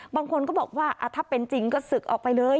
บางคนก็บอกว่าถ้าเป็นจริงก็ศึกออกไปเลย